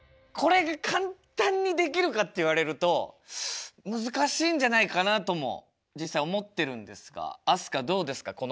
これが簡単にできるかって言われると難しいんじゃないかなとも実際思ってるんですが飛鳥どうですか？